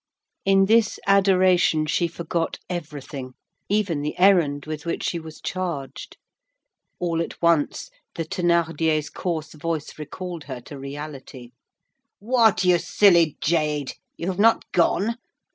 In this adoration she forgot everything, even the errand with which she was charged. All at once the Thénardier's coarse voice recalled her to reality: "What, you silly jade! you have not gone?